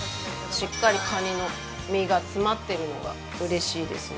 しっかりとカニの身が詰まっているのがうれしいですね。